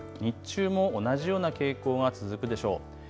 日中も同じような傾向が続くでしょう。